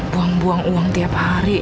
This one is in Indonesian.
buang buang uang tiap hari